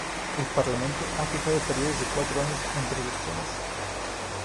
El parlamento ha fijado períodos de cuatro años entre elecciones.